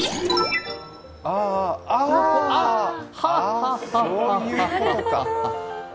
ああ、あそういうことか。